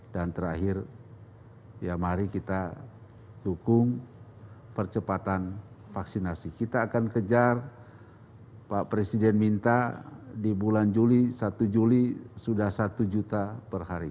dan terakhir ya mari kita dukung percepatan vaksinasi kita akan kejar pak presiden minta di bulan juli satu juli sudah satu juta per hari